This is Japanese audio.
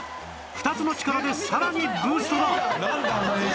２つの力でさらにブーストだ